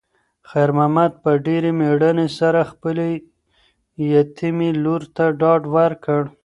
خیر محمد په ډېرې مېړانې سره خپلې یتیمې لور ته ډاډ ورکړ.